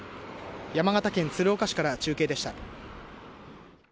山形県鶴岡市から中継でした。